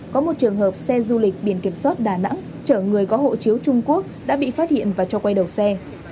gặp xe du lịch biển kiểm soát đà nẵng chở người có hộ chiếu trung quốc đã bị phát hiện và cho quay đầu xe